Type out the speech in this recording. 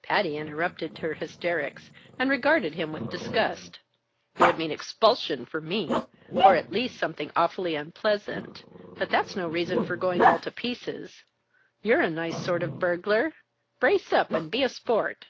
Patty interrupted her hysterics and regarded him with disgust. "It would mean expulsion for me, or at least something awfully unpleasant. But that's no reason for going all to pieces. You're a nice sort of a burglar! Brace up and be a sport!"